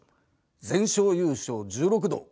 全勝優勝１６度。